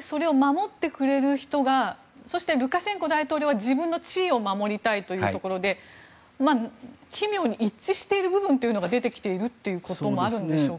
それを守ってくれる人がそしてルカシェンコ大統領は自分の地位を守りたいというところで奇妙に一致している部分が出てきていることもあるんでしょうか。